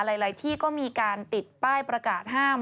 หลายที่ก็มีการติดป้ายประกาศห้าม